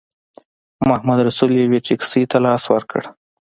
محمدرسول یوې ټیکسي ته لاس ورکړ.